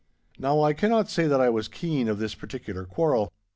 Now, I cannot say that I was keen of this particular quarrel.